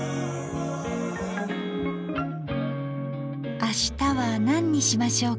明日は何にしましょうか。